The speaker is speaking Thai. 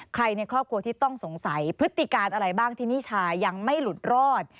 ในครอบครัวที่ต้องสงสัยพฤติการอะไรบ้างที่นิชายังไม่หลุดรอด